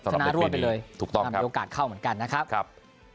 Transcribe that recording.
สนานรวมไปเลยทำให้โอกาสเข้าเหมือนกันนะครับ